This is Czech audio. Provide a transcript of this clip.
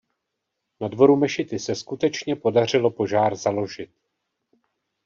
Na dvoru mešity se skutečně podařilo požár založit.